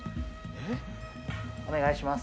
お願いします